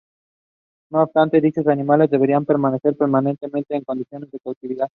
No obstante dichos animales deberán permanecer permanentemente en condiciones de cautividad.